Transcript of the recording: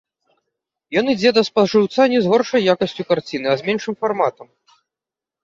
Ён ідзе да спажыўца не з горшай якасцю карціны, а з меншым фарматам.